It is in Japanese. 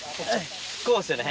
こうっすよね。